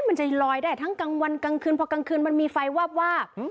มันจะลอยได้ทั้งกลางวันกลางคืนพอกลางคืนมันมีไฟวาบวาบ